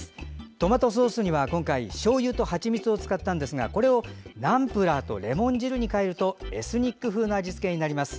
トマトソースには今回はしょうゆとはちみつを使ったんですがこれをナンプラーとレモン汁に変えるとエスニック風の味付けになります。